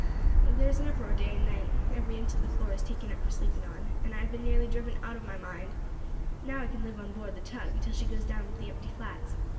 There is an uproar day and night; every inch of the floor is taken up for sleeping on, and I have been nearly driven out of my mind. Now I can live on board the tug till she goes down with the empty flats.